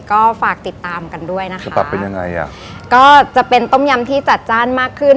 ก็ฝากติดตามกันด้วยนะคะคือปรับเป็นยังไงอ่ะก็จะเป็นต้มยำที่จัดจ้านมากขึ้น